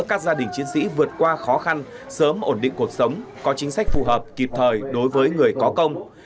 các gia đình chiến sĩ vượt qua khó khăn sớm ổn định cuộc sống có chính sách phù hợp kịp thời đối với người có công